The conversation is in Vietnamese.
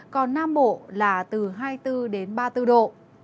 còn nam bộ là từ hai mươi bốn đến ba mươi bốn độ